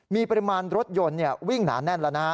มีปริมาณรถยนต์วิ่งหนาแน่นแล้วนะฮะ